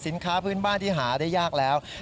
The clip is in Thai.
สินค้าพื้นบ้านที่หาได้ยากแล้ว